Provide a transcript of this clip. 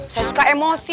saya suka emosi